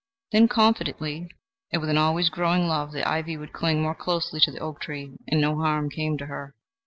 Then, confidently and with an always growing love, the ivy would cling more closely to the oak tree, and no harm came to her.